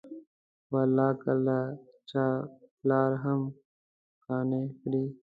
والله که یې د چا پلار هم قانع کړي.